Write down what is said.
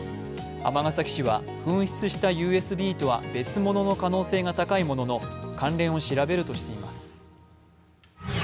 尼崎市は、紛失したＵＳＢとは別物の可能性が高いものの関連を調べるとしています。